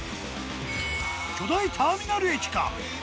巨大ターミナル駅か？